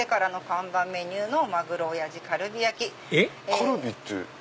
カルビって。